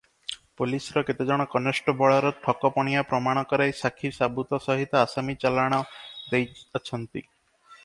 ପୋଲିଶର କେତେଜଣ କନଷ୍ଟବଳର ଠକପଣିଆ ପ୍ରମାଣ କରାଇ ସାକ୍ଷୀ ସାବୁତ ସହିତ ଆସାମୀ ଚଲାଣ ଦେଇ ଅଛନ୍ତି ।